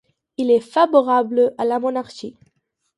Il est favorable à la Monarchie.